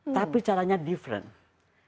tapi caranya berbeda